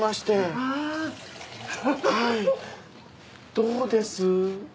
どうです？